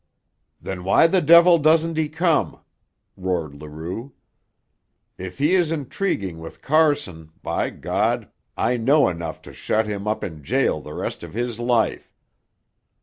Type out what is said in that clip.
"Then why the devil doesn't he come?" roared Leroux. "If he is intriguing with Carson, by God, I know enough to shut him up in jail the rest of his life.